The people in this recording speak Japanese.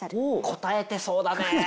応えてそうだね。